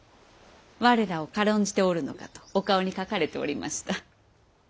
我らを軽んじておるのかとお顔に書かれておりました。